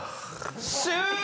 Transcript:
終了！